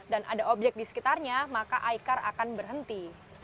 dan ada obyek di sekitarnya maka icar akan berhenti